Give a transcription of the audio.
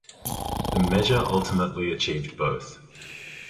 The measure ultimately achieved both.